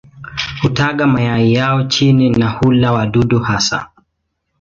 Hutaga mayai yao chini na hula wadudu hasa.